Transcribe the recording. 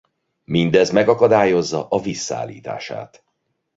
Mindez megakadályozza a víz szállítását.